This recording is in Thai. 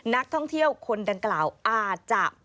นักท่องเที่ยวคนดังกล่าวอาจจะ